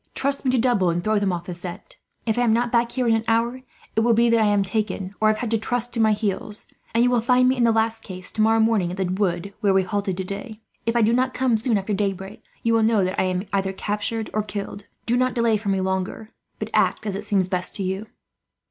Trust me to double and throw them off the scent. If I am not back here in an hour, it will be that I am taken, or have had to trust to my heels; and you will find me, in the last case, tomorrow morning at the wood where we halted today. If I do not come soon after daybreak, you will know that I am either captured or killed. Do not delay for me longer, but act as seems best to you."